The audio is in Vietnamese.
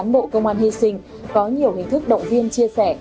bộ công an hy sinh có nhiều hình thức động viên chia sẻ